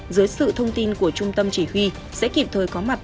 dưới sự thông tin của trung tâm chỉ huy sẽ kịp thời có mặt